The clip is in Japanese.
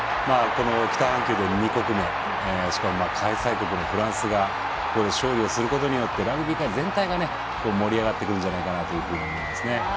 北半球で２国目しかも開催国のフランスが勝利することでラグビー界全体が盛り上がってくるんじゃないかなと思います。